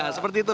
ya seperti itu